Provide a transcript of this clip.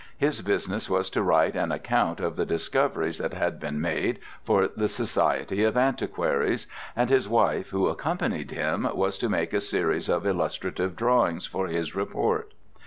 His business was to write an account of the discoveries that had been made, for the Society of Antiquaries, and his wife, who accompanied him, was to make a series of illustrative drawings for his report.